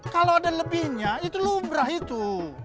kalau ada lebihnya itu lo umrah itu